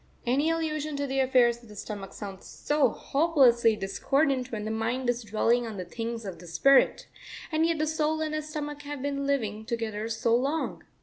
Any allusion to the affairs of the stomach sounds so hopelessly discordant when the mind is dwelling on the things of the spirit, and yet the soul and the stomach have been living together so long.